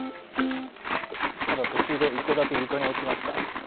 ただ途中で１個だけ床に落ちました。